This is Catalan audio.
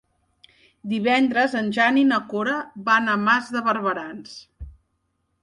Divendres en Jan i na Cora van a Mas de Barberans.